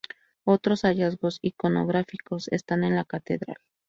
Otros hallazgos iconográficos están en la catedral.